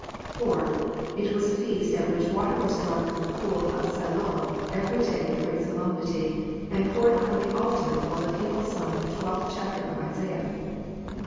\i) It was a feast at which water was drawn from the pool of Siloam every day with great solemnity, and poured upon the altar, while the people sung the 12th chapter of Isaiah.